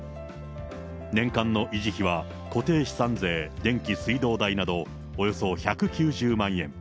年間の維持費は固定資産税、電気、水道代などおよそ１９０万円。